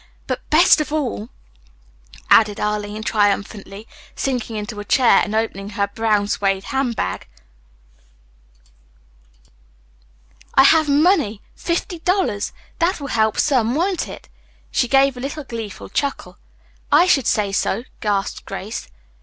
But, best of all," added Arline triumphantly, sinking into a chair and opening her brown suede handbag, "I have money fifty dollars! That will help some, won't it?" She gave a little, gleeful chuckle. "I should say so," gasped Grace.